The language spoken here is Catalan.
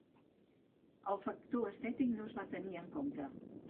El factor estètic no es va tenir en compte.